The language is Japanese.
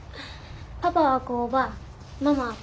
パパは工場ママはパート。